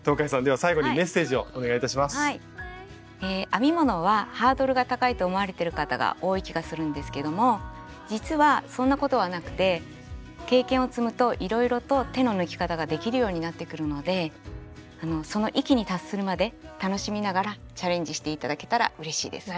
編み物はハードルが高いと思われてる方が多い気がするんですけども実はそんなことはなくて経験を積むといろいろと手の抜き方ができるようになってくるのでその域に達するまで楽しみながらチャレンジして頂けたらうれしいです。